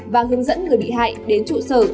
và hướng dẫn người bị hại đến trụ sở